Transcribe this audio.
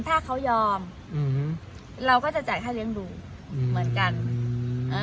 ถ้าเขายอมอืมเราก็จะจ่ายค่าเลี้ยงดูอืมเหมือนกันเอ่อ